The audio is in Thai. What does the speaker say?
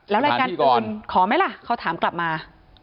แล้วรายการปืนขอไหมล่ะเขาถามกลับมา